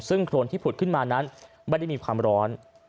ซึ่งโครนที่ผุดขึ้นมานั้นไม่ได้มีความร้อน